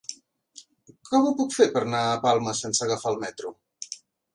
Com ho puc fer per anar a Palma sense agafar el metro?